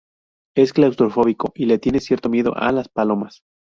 Es claustrofóbico y le tiene cierto miedo a las palomas.